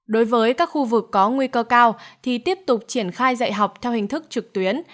đối với các khu vực có nguy cơ cao thì tiếp tục triển khai dạy học theo hình thức trực tuyến